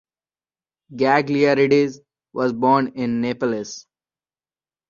Gagliardi was born in Naples.